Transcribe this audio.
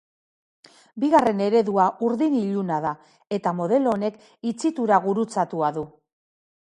Bigarren eredua urdin iluna da, eta modelo honek itxitura gurutzatua du.